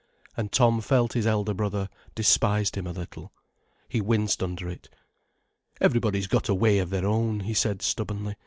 And Tom felt his elder brother despised him a little. He winced under it. "Everybody's got a way of their own," he said, stubbornly.